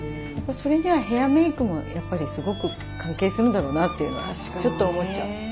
それにはヘアメークもやっぱりすごく関係するんだろうなっていうのはちょっと思っちゃう。